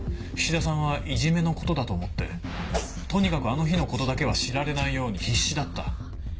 菱田さんはいじめのことだと思ってとにかくあの日のことだけは知られないように必死だった。